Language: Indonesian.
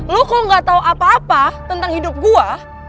lo kalo gak tau apa apa tentang hidup gue